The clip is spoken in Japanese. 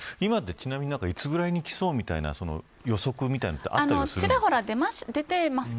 今ってちなみにいつぐらいに行きそうみたいな予測みたいなのあったりするんですか。